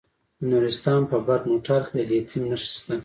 د نورستان په برګ مټال کې د لیتیم نښې شته.